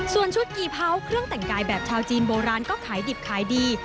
ส่วนชุดกี่เผาเครื่องแต่งกายแบบชาวจีนโบราณก็ขายดิบขายดี